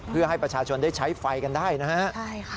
เพื่อให้ประชาชนได้ใช้ไฟกันได้นะฮะ